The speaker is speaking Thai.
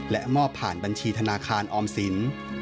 และมอบผ่านบัญชีธนาคารออมสิน